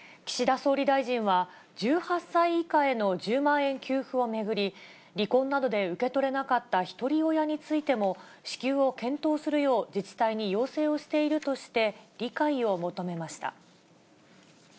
岸田総理大臣は、１８歳以下への１０万円給付を巡り、離婚などで受け取れなかったひとり親についても、支給を検討するよう、自治体に要請をしているとして、理解を求めました。